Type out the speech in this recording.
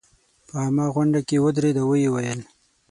په عامه غونډه کې ودرېد او ویې ویل.